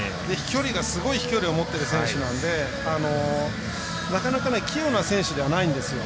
すごい飛距離を持っている選手なのでなかなか器用な選手ではないんですよ。